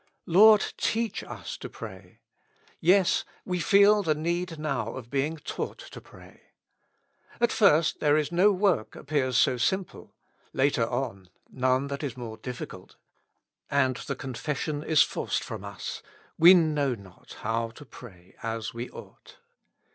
" Lord, teach us to pray." Yes, we feel the need now of being taught to pray. At first there is no work appears so simple ; later on, none that is more difficult ; and the confession is forced from us : We know not how to pray as we ought.